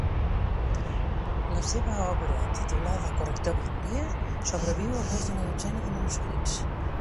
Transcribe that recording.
La seva obra, titulada "Correctio Biblie", sobreviu a més d'una dotzena de manuscrits.